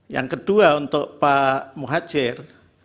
yang kedua untuk pak muhajir